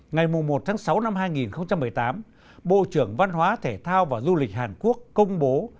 ngày một sáu hai nghìn một mươi tám bộ trưởng văn hóa thể thao và du lịch hàn quốc công bố